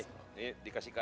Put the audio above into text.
ini dikasih ke aja